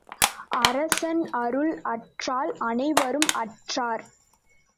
அரசன் அருள் அற்றால் அனைவரும் அற்றார்.